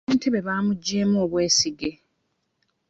Ssentebe baamuggyemu obwesige.